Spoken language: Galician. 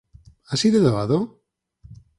Así de doado?